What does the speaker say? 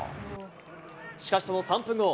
しかしその３分後。